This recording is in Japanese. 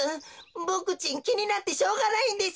ボクちんきになってしょうがないんです。